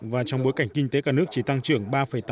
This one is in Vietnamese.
và trong bối cảnh kinh tế cả nước chỉ tăng trưởng ba tám mươi hai